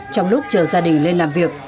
trong lúc chờ gia đình lên làm việc